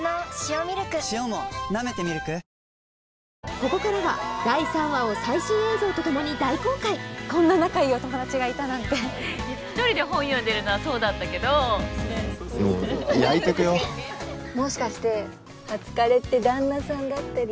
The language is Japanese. ここからは第３話を最新映像とともに大公開こんな仲いいお友達がいたなんて一人で本読んでるのはそうだったけど焼いてくよもしかして初カレって旦那さんだったり？